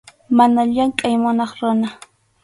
Mana llamkʼay munaq runa.